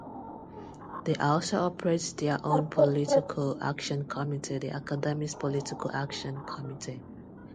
They also operate their own political action committee, the Academy's Political Action Committee.